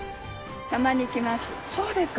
そうですか。